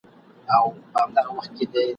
ته هم چایې په توده غېږ کي نیولی؟ !.